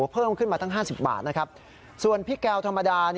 เพิ่มขึ้นมาตั้ง๕๐บาทนะครับส่วนพริกแกงธรรมดา